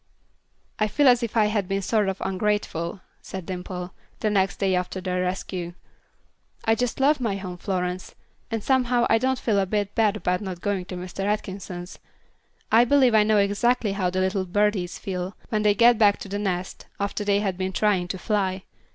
"I feel as if I had been sort of ungrateful," said Dimple, the next day after their rescue. "I just love my home, Florence, and somehow I don't feel a bit bad about not going to Mr. Atkinson's. I believe I know exactly how the little birdies feel when they get back to the nest, after they have been trying to fly.